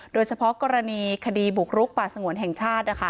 โดยเฉพาะกรณีคดีบุกรุกป่าสงวนแห่งชาติ